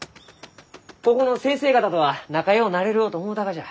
ここの先生方とは仲ようなれるろうと思うたがじゃ。